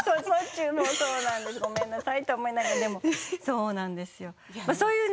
そうなんですごめんなさいと思いながらそうなんですよ